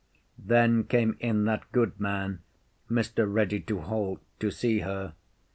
Then came in that good man Mr. Ready to halt, to see her.